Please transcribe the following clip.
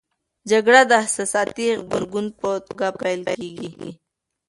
جګړه د احساساتي غبرګون په توګه پیل کېږي.